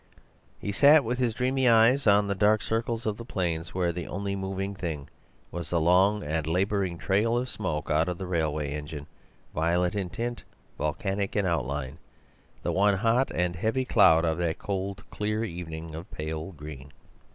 "He sat with his dreamy eyes on the dark circles of the plains, where the only moving thing was the long and labouring trail of smoke out of the railway engine, violet in tint, volcanic in outline, the one hot and heavy cloud of that cold clear evening of pale green.